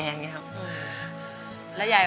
อันดับนี้เป็นแบบนี้